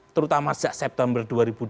terutama sejak september dua ribu dua puluh